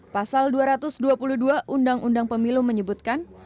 pasal dua ratus dua puluh dua undang undang pemilu menyebutkan